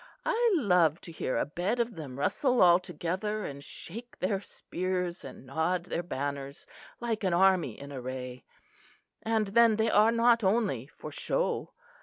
I love to hear a bed of them rustle all together and shake their spears and nod their banners like an army in array. And then they are not only for show.